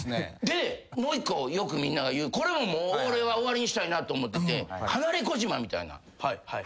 でもう１個よくみんなが言うこれももう俺は終わりにしたいなと思ってて離れ小島みたいな。